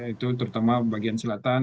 itu terutama bagian selatan